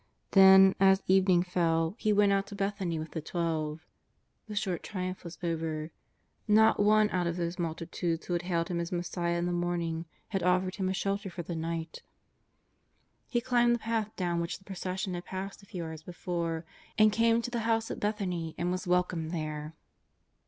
Then, as evening fell, He went out to Bethany with the Twelve. The short triumph was over. Kot one out of those multi tudes who had hailed Him as Messiah in the morning had offered Him a shelter for the night. He climbed the path down which the procession had passed a few hours before, and came to the house at Bethany and was welcomed there.